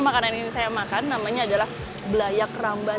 makanan tradisional yang bisa anda coba adalah belayak rambanan